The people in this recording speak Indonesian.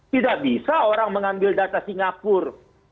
tidak bisa orang mengambil data singapura